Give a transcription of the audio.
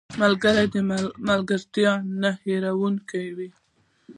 • د ملګري ملګرتیا نه هېریدونکې وي.